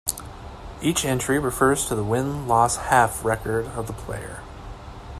Each entry refers to the Win-Loss-Half record of the player.